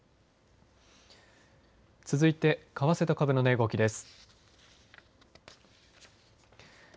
続いて為替と株の値動きです。